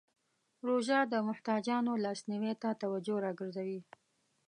روژه د محتاجانو لاسنیوی ته توجه راګرځوي.